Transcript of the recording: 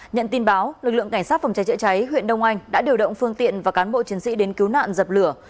nhận tin báo lực lượng cảnh sát phòng cháy chữa cháy huyện đông anh đã điều động phương tiện và cán bộ chiến sĩ đến cứu nạn dập lửa